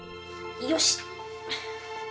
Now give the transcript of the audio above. よし。